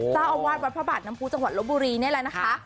เจ้าอาวาสวัดพระบาทน้ำพูจังหวัดลบบุรีนี่แหละนะคะ